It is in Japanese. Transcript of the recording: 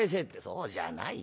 「そうじゃないよ。